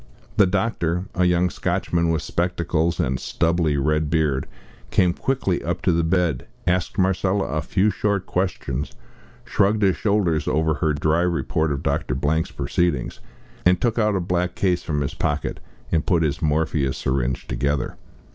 The doctor a young Scotchman with spectacles, and stubbly red beard came quickly up to the bed, asked Marcella a few short questions, shrugged his shoulders over her dry report of Dr. Blank's proceedings, then took out a black case from his pocket, and put his morphia syringe together.